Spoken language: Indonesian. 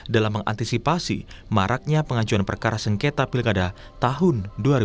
dalam mengantisipasi maraknya pengajuan perkara sengketa pilkada tahun dua ribu tujuh belas